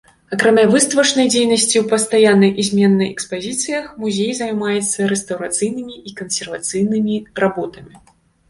Акрамя выставачнай дзейнасці ў пастаяннай і зменнай экспазіцыях музей займаецца рэстаўрацыйнымі і кансервацыйнымі работамі.